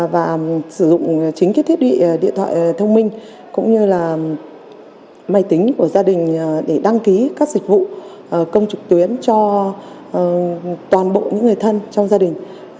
và sử dụng chính thiết bị điện thoại thông minh cũng như là máy tính của gia đình để đăng ký các dịch vụ công trực tuyến cho toàn bộ những người thân trong gia đình